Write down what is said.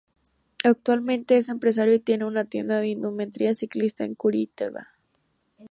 Actualmente es empresario y tiene una tienda de indumentaria ciclista en Curitiba.